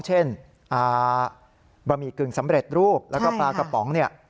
เช่นบะหมี่กึ่งสำเร็จรูปแล้วก็ปลากระป๋องเนี่ย